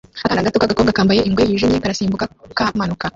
Akana k'agakobwa kambaye ingwe yijimye karasimbuka kamanuka